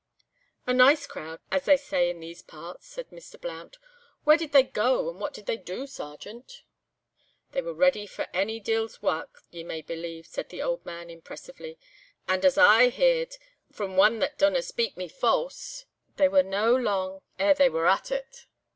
'" "A nice crowd, as they say in these parts," said Mr. Blount. "Where did they go and what did they do, Sergeant?" "They were ready for any de'il's wark, ye may believe," said the old man, impressively, "and, as I heard frae one that daurna speak me false, they were no lang ere they were at it.